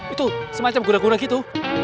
itu semacam gura gura gitu